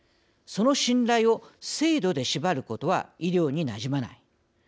その信頼を制度で縛ることは医療になじまない。」